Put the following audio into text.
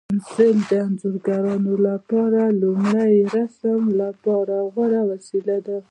پنسل د انځورګرانو لپاره د لومړني رسم لپاره غوره وسیله ده.